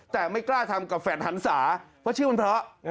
แต่ไม่กล้าทำกับแฝดหันศาเพราะชื่อมันเพราะ